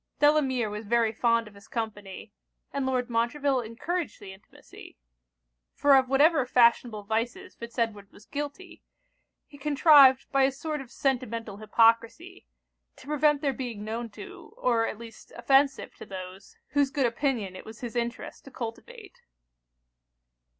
Delamere was very fond of his company; and Lord Montreville encouraged the intimacy: for of whatever fashionable vices Fitz Edward was guilty, he contrived, by a sort of sentimental hypocrisy, to prevent their being known to, or at least offensive to those, whose good opinion it was his interest to cultivate.